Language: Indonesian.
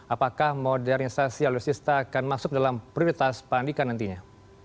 apakah modernisasi alutsista akan masuk dalam prioritas pak andika nantinya